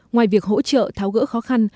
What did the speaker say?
ngoài việc hỗ trợ tháo gỡ khó khăn